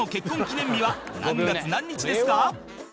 記念日は何月何日ですか？